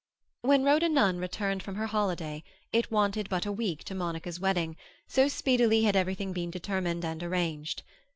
When Rhoda Nunn returned from her holiday it wanted but a week to Monica's wedding, so speedily had everything been determined and arranged.